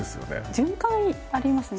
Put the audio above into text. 循環ありますね。